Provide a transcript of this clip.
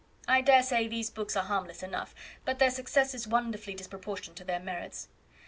I dare say these books are harmless enough, but their success is wonderfully disproportioned to their merits.